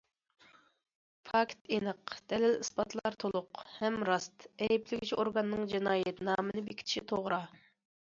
پاكىت ئېنىق، دەلىل- ئىسپاتلار تولۇق ھەم راست، ئەيىبلىگۈچى ئورگاننىڭ جىنايەت نامىنى بېكىتىشى توغرا.